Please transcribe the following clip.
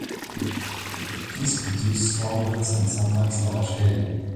These produce strong winds and, sometimes, large hail.